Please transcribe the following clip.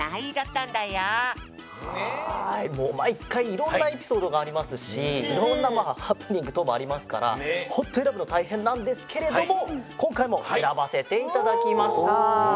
いろんなエピソードがありますしいろんなハプニングとうもありますからホント選ぶのたいへんなんですけれどもこんかいも選ばせていただきました。